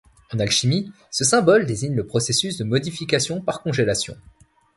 En alchimie, ce symbole désigne le processus de modification par congélation.